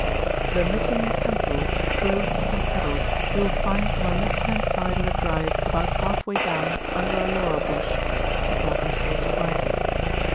"The missing pencils, floats, and pedals you will find on the left hand side of the drive about half way down, under a laurel bush," said Malcolm Sage quietly.